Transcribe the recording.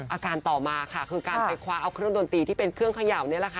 ต่อมาค่ะคือการไปคว้าเอาเครื่องดนตรีที่เป็นเครื่องเขย่านี่แหละค่ะ